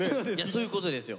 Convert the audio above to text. そういうことですよ！